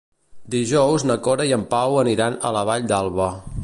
Dijous na Cora i en Pau aniran a la Vall d'Alba.